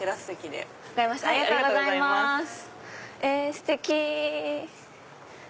ステキ！